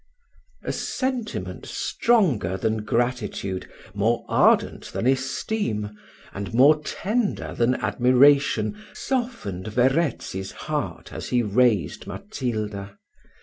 A sentiment stronger than gratitude, more ardent than esteem, and more tender than admiration, softened Verezzi's heart as he raised Matilda.